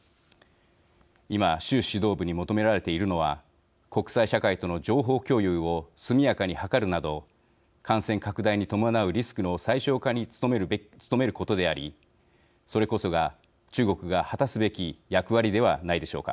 今、習指導部に求められているのは国際社会との情報共有を速やかに図るなど感染拡大に伴うリスクの最小化に努めることでありそれこそが中国が果たすべき役割ではないでしょうか。